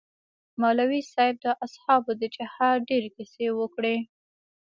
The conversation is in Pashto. مولوي صاحب د اصحابو د جهاد ډېرې کيسې وکړې.